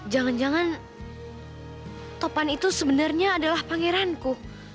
jangan jangan topan itu sebenarnya adalah pangeranku